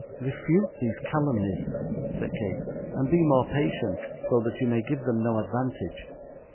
'Refute these calumnies,' said Kate, 'and be more patient, so that you may give them no advantage.